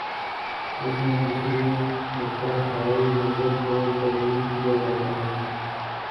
اس میں دوسرے نقطہ ہائے نظر کو قبول کیا جاتا ہے۔